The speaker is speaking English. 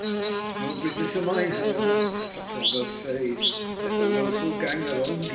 It's no business o' mine, however. As the proverb says—' Let the wilful gang their own gait.'